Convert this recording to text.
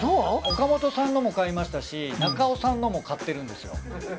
岡元さんのも買いましたし中尾さんのも買ってるんですよ。